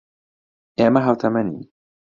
ئێمە ھاوتەمەنین.